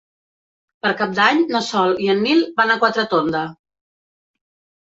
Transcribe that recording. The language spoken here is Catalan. Per Cap d'Any na Sol i en Nil van a Quatretonda.